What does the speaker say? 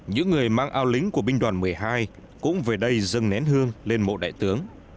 những người mang ao lính của binh đoàn một mươi hai cũng về đây dâng nén hương lên mộ đại tướng